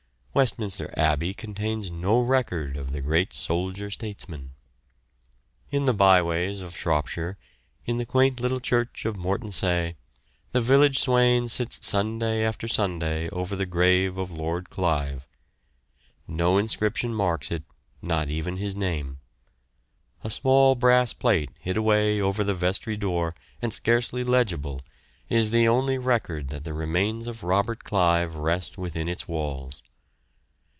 Westminster Abbey contains no record of the great soldier statesman. In the by ways of Shropshire, in the quaint little church of Morton Saye, the village swain sits Sunday after Sunday over the grave of Lord Clive. No inscription marks it, not even his name; a small brass plate hid away over the vestry door and scarcely legible is the only record that the remains of Robert Clive rest within its walls.